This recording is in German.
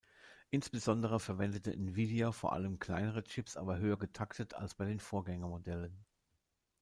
Insbesondere verwendete Nvidia vor allem kleinere Chips aber höher getaktet als bei den Vorgängermodellen.